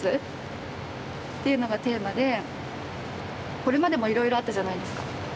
これまでもいろいろあったじゃないですか。